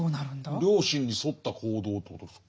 良心に沿った行動ということですか？